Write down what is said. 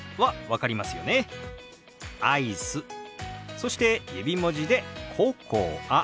そして指文字で「ココア」。